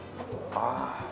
ああ。